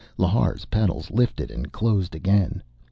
Lhar's petals lifted and closed again.